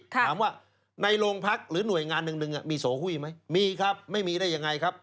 ถามว่าในโรงพักหรือหน่วยงานหนึ่งมีโสหุ้ยไหมมีครับไม่มีได้ยังไงครับ